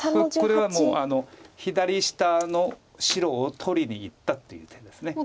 これはもう左下の白を取りにいったっていう手です。